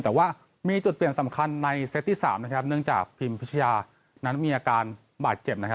แต่ว่ามีจุดเปลี่ยนสำคัญในเซตที่๓นะครับเนื่องจากพิมพิชยานั้นมีอาการบาดเจ็บนะครับ